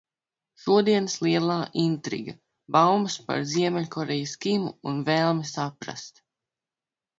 Šodienas lielā intriga – baumas par Ziemeļkorejas Kimu un vēlme saprast.